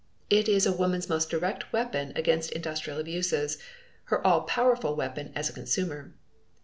It is a woman's most direct weapon against industrial abuses, her all powerful weapon as a consumer.